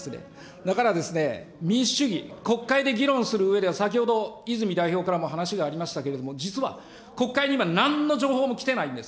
だから民主主義、国会で議論するうえでは、先ほど、泉代表からも話がありましたけれども、実は国会には今、なんの情報も来てないんです。